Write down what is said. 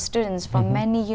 từ nhiều quốc gia ở hà nội